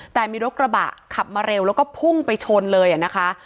แต่มีรถกระบะขับมาเร็วแล้วก็พุ่งไปชนเลยนะคะ